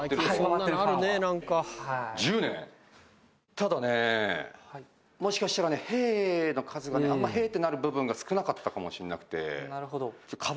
ただねもしかしたらね「へぇ」の数がねあんまり「へぇ」ってなる部分が少なかったかもしれなくて。